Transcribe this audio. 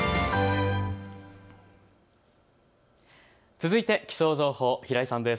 続いて気象情報、平井さんです。